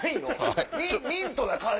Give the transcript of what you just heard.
ミントな感じ？